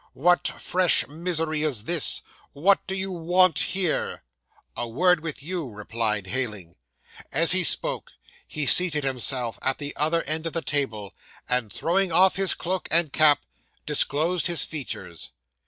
"What fresh misery is this? What do you want here?" '"A word with you," replied Heyling. As he spoke, he seated himself at the other end of the table, and, throwing off his cloak and cap, disclosed his features.